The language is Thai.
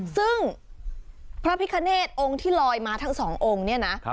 ซึ่งพระพิคเนตองค์ที่ลอยมาทั้งสององค์เนี่ยนะ